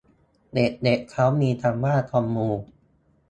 เด็กเด็กเค้ามีคำว่าคอมมู